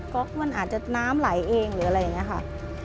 ก็มันอาจจะน้ำไหลเองหรืออะไรอย่างนี้ค่ะ